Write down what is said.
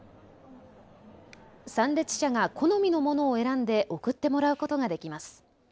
参列者が好みのものを選んで送ってもらうことができます。